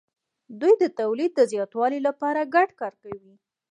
دوی د تولید د زیاتوالي لپاره ګډ کار کوي.